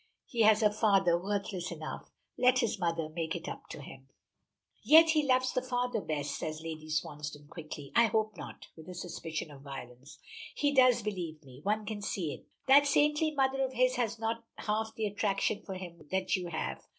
He has a father worthless enough. Let his mother make it up to him." "Yet he loves the father best," says Lady Swansdown quickly. "I hope not," with a suspicion of violence. "He does, believe me. One can see it. That saintly mother of his has not half the attraction for him that you have.